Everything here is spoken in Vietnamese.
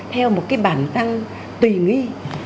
theo một cái bản tăng tùy nghi